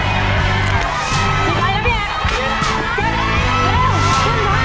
สามสี่สี่แพ็คทำกันด้วย